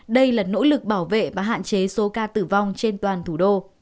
đây là nỗ lực bảo vệ và hạn chế số ca tử vong trên toàn thủ đô